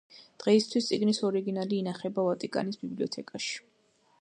დღეისათვის წიგნის ორიგინალი ინახება ვატიკანის ბიბლიოთეკაში.